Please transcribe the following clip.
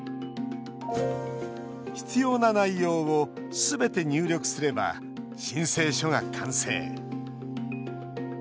必要な内容をすべて入力すれば申請書が完成。